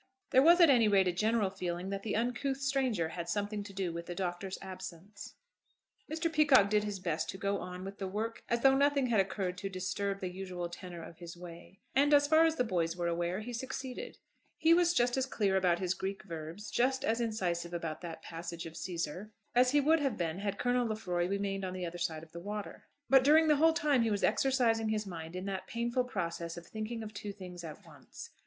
There was at any rate a general feeling that the uncouth stranger had something to do with the Doctor's absence. Mr. Peacocke did his best to go on with the work as though nothing had occurred to disturb the usual tenor of his way, and as far as the boys were aware he succeeded. He was just as clear about his Greek verbs, just as incisive about that passage of Cæsar, as he would have been had Colonel Lefroy remained on the other side of the water. But during the whole time he was exercising his mind in that painful process of thinking of two things at once.